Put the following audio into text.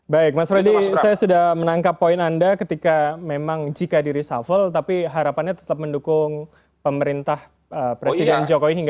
baik mas pradi saya sudah menangkap poin anda ketika memang jika diresafel tapi harapannya tetap mendukung pemerintah presiden jokowi hingga dua ribu dua puluh empat